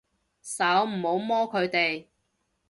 手，唔好摸佢哋